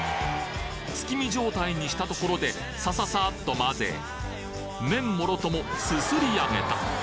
月見状態にしたところでサササッと混ぜ麺もろともすすりあげた！